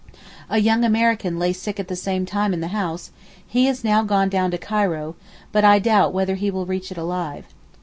A young American lay sick at the same time in the house, he is now gone down to Cairo, but I doubt whether he will reach it alive.